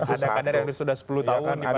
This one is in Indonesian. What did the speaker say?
ada kader yang sudah sepuluh tahun di partai